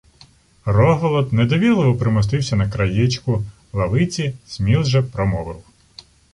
Рогволод недовірливо примостився на краєчку лавиці, Сміл же промовив: